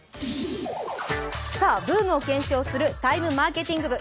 ブームの検証をする「ＴＩＭＥマーケティング部」。